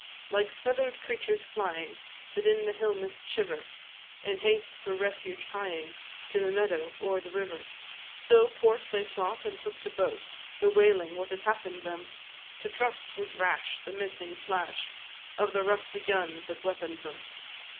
Like feather'd creatures flying, That in the hill mist shiver, In haste for refuge hieing, To the meadow or the river So, port they sought, and took to boat, Bewailing what had happened them, To trust was rash, the missing flash Of the rusty guns that weapon'd them.